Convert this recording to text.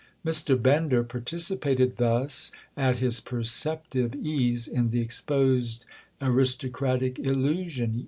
Mr. Bender participated thus at his perceptive ease in the exposed aristocratic illusion.